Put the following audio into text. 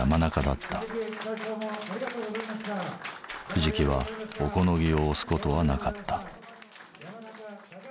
藤木は小此木を推すことはなかった。